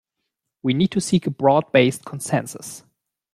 We need to seek a broad-based consensus.